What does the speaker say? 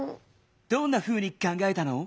どんなふうにかんがえたの？